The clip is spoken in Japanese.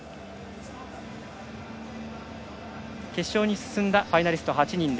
決勝に進んだファイナリスト８人。